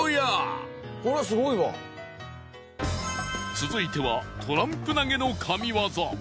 続いてはトランプ投げの神ワザ。